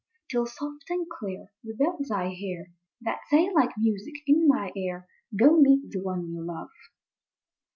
Till soft and clear the bells I hear, That say, like music, in my ear, "Go meet the one you love."